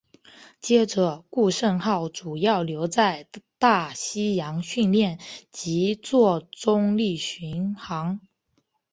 接着顾盛号主要留在大西洋训练及作中立巡航。